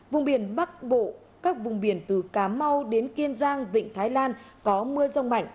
vùng biển bắc bộ các vùng biển từ cà mau đến kiên giang vịnh thái lan có mưa rông mạnh